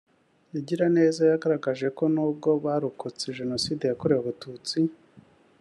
Igiraneza yagaragaje ko nubwo barokotse Jenoside yakorewe Abatutsi